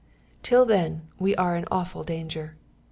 Till then we are in awful danger.